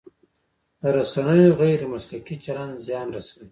د رسنیو غیر مسلکي چلند زیان رسوي.